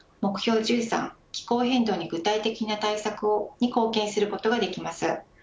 １３気候変動に具体的な対策を、に貢献することができます。